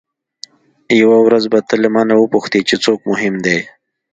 یوه ورځ به ته له مانه وپوښتې چې څوک مهم دی.